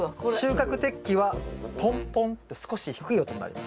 収穫適期はポンポンって少し低い音になります。